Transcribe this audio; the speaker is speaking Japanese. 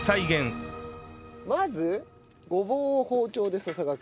まずごぼうを包丁でささがき。